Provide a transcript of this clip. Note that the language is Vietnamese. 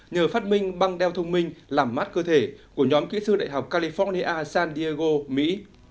nhờ phát minh băng đeo thông minh làm mát cơ thể của nhóm kỹ sư đại học california san diego mỹ